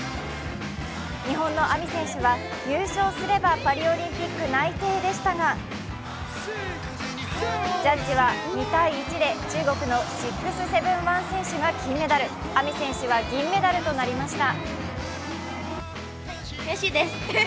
日本のＡＭＩ選手は優勝すればパリオリンピック内定でしたが、ジャッジは２−１で中国の６７１選手が金メダル、ＡＭＩ選手は銀メダルとなりました。